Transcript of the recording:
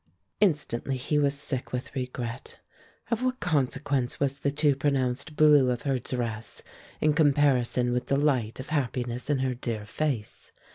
Instantly he was sick with regret. Of what consequence was the too pronounced blue of her dress in comparison with the light of happiness in her dear face?